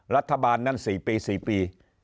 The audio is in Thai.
รัฐบาลนั้น๔ปี๔ปี